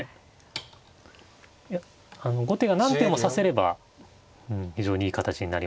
いやあの後手が何手も指せればうん非常にいい形になります。